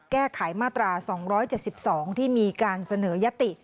แก้ไขมาตรา๒๗๒ที่มีการเสนอยติ